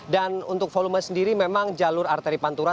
untuk volume sendiri memang jalur arteri pantura